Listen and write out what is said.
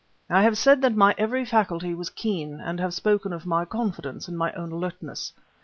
I have said that my every faculty was keen, and have spoken of my confidence in my own alertness.